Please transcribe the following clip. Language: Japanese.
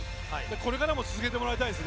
これからも続けてもらいたいです。